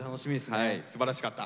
すばらしかった。